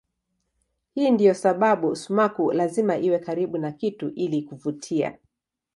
Hii ndiyo sababu sumaku lazima iwe karibu na kitu ili kuvutia.